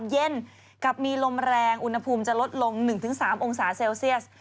เย็นกับมีลมแรงอุณหภูมิจะลดลง๑๓องศาเซลเซียส